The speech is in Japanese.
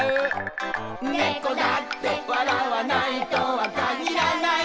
「猫だって笑わないとは限らない」